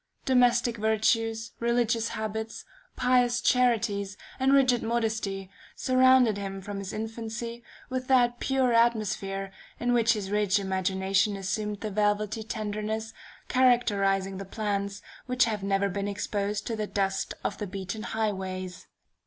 Domestic virtues, religious habits, pious charities, and rigid modesty, surrounded him from his infancy with that pure atmosphere in which his rich imagination assumed the velvety tenderness characterizing the plants which have never been exposed to the dust of the beaten highways.